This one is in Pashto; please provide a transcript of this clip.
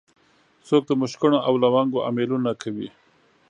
څوک د مشکڼو او لونګو امېلونه کوي